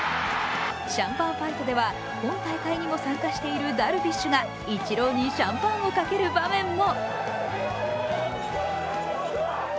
シャンパンファイトでは今回も出場しているダルビッシュがイチローにシャンパンをかける場面も。